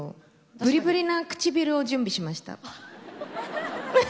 ぶりぶりな唇を準備しました。